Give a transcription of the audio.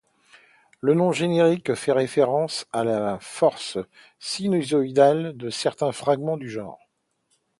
Le nom générique fait référence à la forme sinusoïdale de certains fragments du genre.